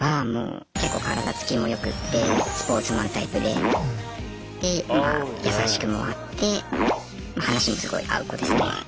結構体つきも良くってスポーツマンタイプでで優しくもあって話もすごい合う子ですね。